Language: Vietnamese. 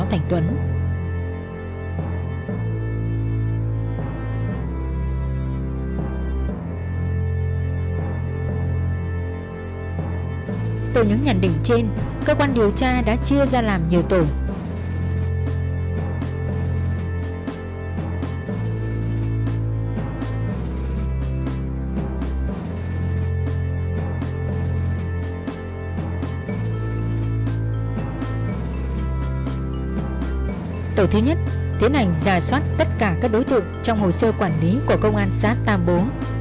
tổ thứ nhất tiến hành giả soát tất cả các đối tượng trong hồ sơ quản lý của công an xã tàm bố